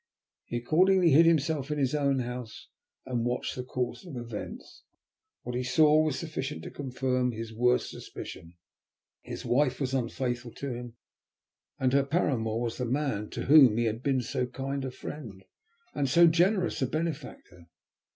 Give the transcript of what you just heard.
He accordingly hid himself in his own house and watched the course of events. What he saw was sufficient to confirm his worst suspicion. His wife was unfaithful to him, and her paramour was the man to whom he had been so kind a friend, and so generous a benefactor.